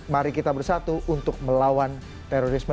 mari kita bersatu untuk melawan terorisme